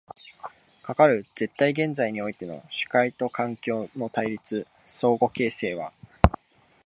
かかる絶対現在においての主体と環境との対立、相互形成は